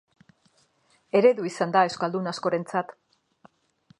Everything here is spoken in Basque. Eredu izan da euskaldun askorentzat.